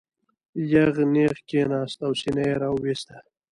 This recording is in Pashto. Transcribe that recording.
یغ نېغ کېناست او سینه یې را وویسته.